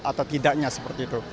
atau tidaknya seperti itu